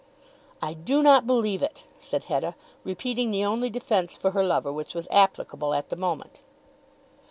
"I do not believe it," said Hetta, repeating the only defence for her lover which was applicable at the moment.